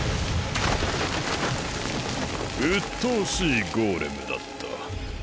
うっとうしいゴーレムだった。